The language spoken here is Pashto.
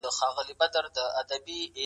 زه هره ورځ مځکي ته ګورم.